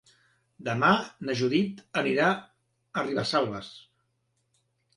Demà na Judit anirà a Ribesalbes.